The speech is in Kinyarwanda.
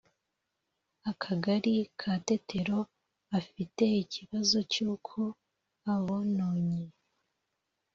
Akagali ka Tetero Afite ikibazo cyuko abononye